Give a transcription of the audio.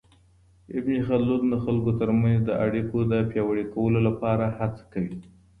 ابن خلدون د خلګو ترمنځ د اړیکو د پياوړي کولو لپاره هڅه کوي.